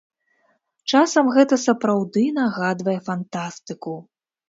Часам гэта сапраўды нагадвае фантастыку.